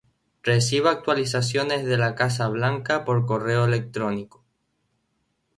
Reciba actualizaciones de la Casa Blanca por correo electrónico